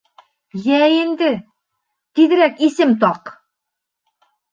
— Йә инде, тиҙерәк исем таҡ!